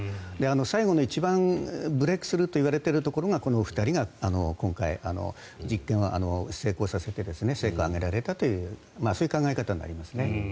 最後の一番ブレークスルーといわれているところがこの２人が今回、実験を成功させて成果を上げられたというそういう考え方になりますね。